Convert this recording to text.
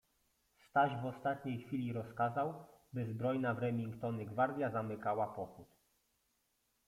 Staś w ostatniej chwili rozkazał, by zbrojna w remingtony gwardja zamykała pochód.